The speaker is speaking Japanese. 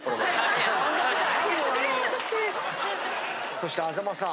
そして安座間さん。